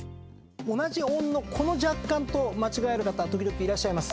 同じ音のこの弱冠と間違える方時々いらっしゃいます。